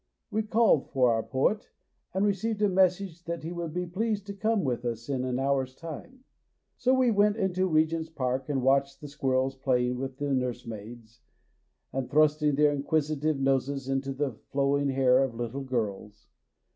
We called for our poet, and received a message that he would be pleased to come with us in an hour's time ; so we went into Regent's Park and watched the squirrels playing with the nursemaids, and thrusting their inquisitive noses into the flowing hair of little girls.